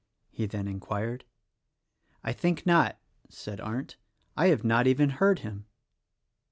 he then inquired. "I think not," said Arndt, "I have not even heard him."